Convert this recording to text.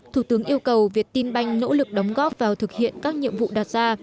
thủ tướng yêu cầu việt tin banh nỗ lực đóng góp vào thực hiện các nhiệm vụ đạt ra